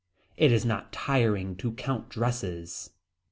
It is not tiring to count dresses.